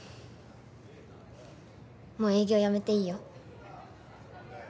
もう営業やめていいよ。